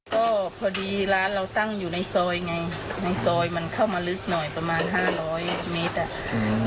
ก็พอดีร้านเราตั้งอยู่ในซอยไงในซอยมันเข้ามาลึกหน่อยประมาณ๕๐๐เมตร